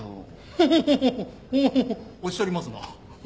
ホホホおっしゃりますな。